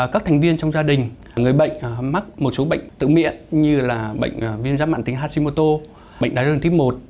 các thành viên trong gia đình người bệnh mắc một số bệnh tự miệng như là bệnh viên giáp mạng tính hashimoto bệnh đáy dân tiếp một